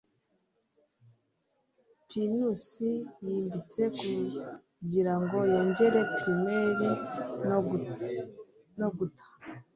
pinusi yimbitse kugirango yongore primaire no guta